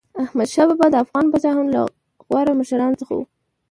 احمدشاه بابا د افغان پاچاهانو له غوره مشرانو څخه و.